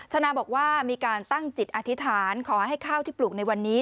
ชนะบอกว่ามีการตั้งจิตอธิษฐานขอให้ข้าวที่ปลูกในวันนี้